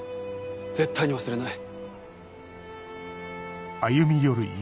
絶対に忘れない。